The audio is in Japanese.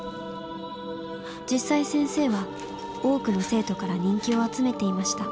実際先生は多くの生徒から人気を集めていました。